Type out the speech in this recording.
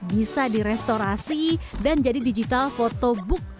bisa direstorasi dan jadi digital photobook